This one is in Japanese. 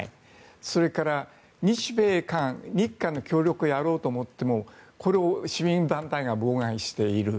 それから日米韓、日韓の協力でやろうと思ってもこれを市民団体が妨害している。